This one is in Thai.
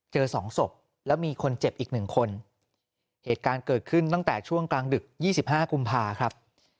สองศพแล้วมีคนเจ็บอีกหนึ่งคนเหตุการณ์เกิดขึ้นตั้งแต่ช่วงกลางดึก๒๕กุมภาครับ